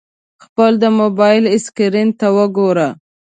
خپل د موبایل سکرین ته وګوره !